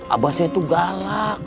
abah saya itu galak